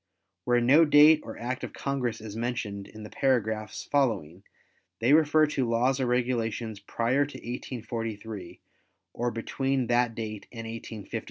Where no date or Act of Congress is mentioned in the paragraphs following, they refer to laws or regulations prior to 1843 or between that date and 1857.